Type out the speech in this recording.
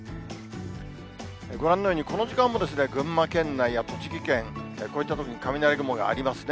ご覧のように、この時間も群馬県内や栃木県、こういった所に雷雲がありますね。